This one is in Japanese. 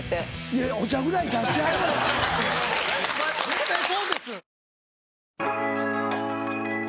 いやお茶ぐらい出してやれよ。